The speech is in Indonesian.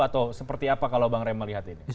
atau seperti apa kalau bang rey melihat ini